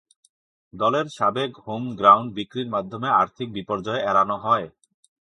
দলের সাবেক home ground বিক্রির মাধ্যমে আর্থিক বিপর্যয় এড়ানো হয়।